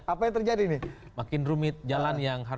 apa yang terjadi nih